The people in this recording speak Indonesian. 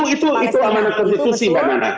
itu amanat konstitusi mbak nana